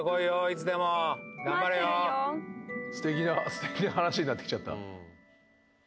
すてきな話になってきちゃった。